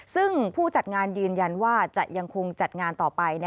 ซึ่งผู้จัดงานยืนยันว่าจะยังคงจัดงานต่อไป